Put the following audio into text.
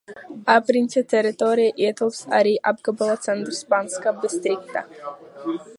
Apriņķa teritorijā ietilpst arī apgabala centrs Banska Bistrica.